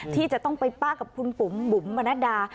ที่จะต้องไปป้ากับคุณปุ๋มบุ๋มมนัดดา